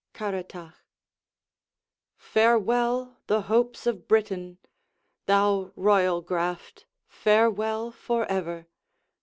_] Caratach Farewell, the hopes of Britain! Thou royal graft, farewell for ever!